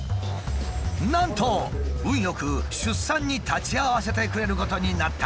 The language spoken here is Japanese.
なんと運よく出産に立ち会わせてくれることになった。